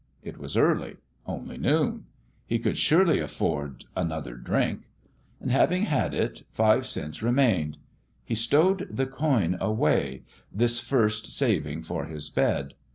It was early only noon. He could surely afford an other drink. And having had it, five cents re mained. He stowed the coin away this first saving for his bed.